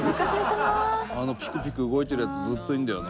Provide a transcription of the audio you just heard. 「あのピクピク動いてるやつずっといるんだよな。